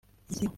Isibo